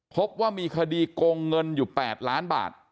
พบว่ามีคดีโกงเงินอยู่๘ล้านบาท